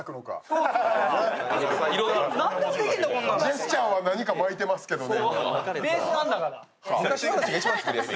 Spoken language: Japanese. ジェスチャーは何かまいてますけどね。